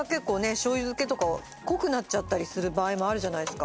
醤油漬けとか濃くなっちゃったりする場合もあるじゃないですか。